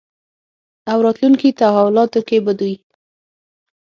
او راتلونکې تحولاتو کې به دوی